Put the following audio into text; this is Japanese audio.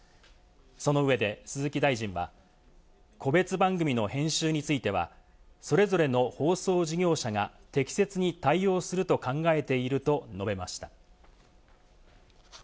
その上で、鈴木大臣は、個別番組の編集については、それぞれの放送事業者が適切に対応すると考えていると述べました。